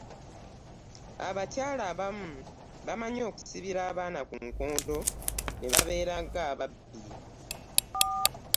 Abakyala abamu bamanyi okusibira abaana ku nkondo ne babeera nga ababbi.